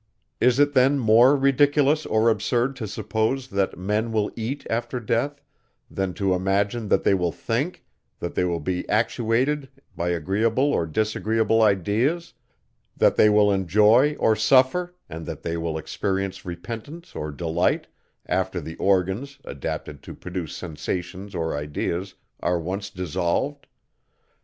Is it then more ridiculous or absurd to suppose, that men will eat after death, than to imagine, that they will think, that they will be actuated by agreeable or disagreeable ideas, that they will enjoy or suffer, and that they will experience repentance or delight, after the organs, adapted to produce sensations or ideas, are once dissolved.